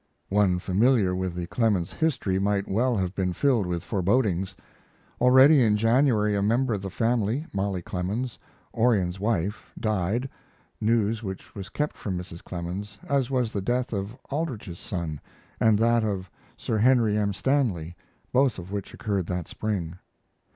One familiar with the Clemens history might well have been filled with forebodings. Already in January a member of the family, Mollie Clemens, Orion's wife, died, news which was kept from Mrs. Clemens, as was the death of Aldrich's son, and that of Sir Henry M. Stanley, both of which occurred that spring.